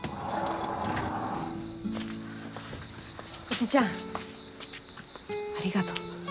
おじちゃんありがとう。